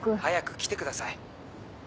早く来てください。